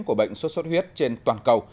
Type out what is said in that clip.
của bệnh suốt suốt huyết trên toàn cầu